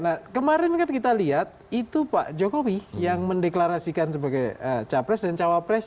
nah kemarin kan kita lihat itu pak jokowi yang mendeklarasikan sebagai capres dan cawapres